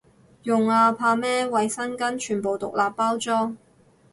用啊，怕咩，衛生巾全部獨立包裝